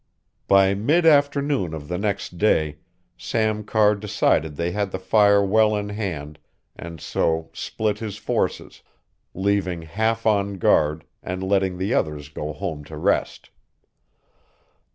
By mid afternoon of the next day, Sam Carr decided they had the fire well in hand and so split his forces, leaving half on guard and letting the others go home to rest.